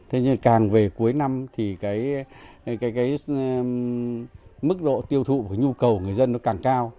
thế nhưng càng về cuối năm thì cái mức độ tiêu thụ và nhu cầu người dân nó càng cao